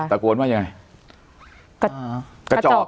ตะโกนว่าอย่างไร